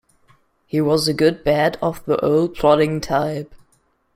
He was a good bat of the old plodding type.